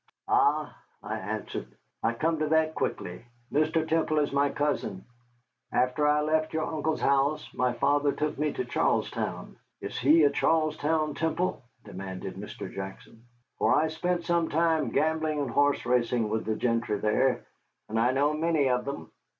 "Ah," I answered, "I come to that quickly. Mr. Temple is my cousin. After I left your uncle's house my father took me to Charlestown." "Is he a Charlestown Temple?" demanded Mr. Jackson. "For I spent some time gambling and horse racing with the gentry there, and I know many of them.